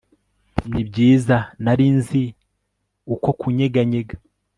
nibyiza nari nzi uko, kunyeganyega